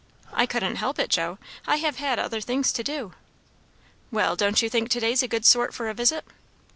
"I couldn't help it, Joe. I have had other things to do." "Well, don't you think to day's a good sort for a visit?"